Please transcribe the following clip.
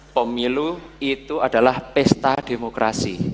pemilu itu adalah pesta demokrasi